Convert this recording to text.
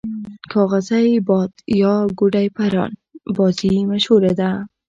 کاغذی باد یا ګوډی پران بازی مشهوره ده.